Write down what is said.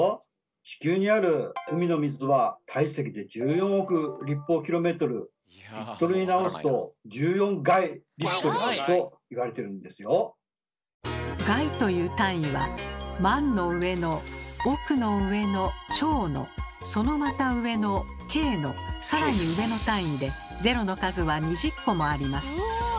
地球にある海の水はに直すと１４垓あると言われてるんで「垓」という単位は「万」の上の「億」の上の「兆」のそのまた上の「京」の更に上の単位でゼロの数は２０個もあります。